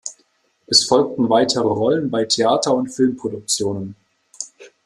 Es folgten weitere Rollen bei Theater- und Filmproduktionen.